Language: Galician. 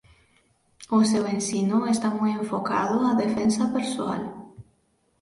O seu ensino está moi enfocado á defensa persoal.